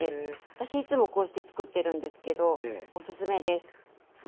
私いつもこうしてつくってるんですけどおすすめです。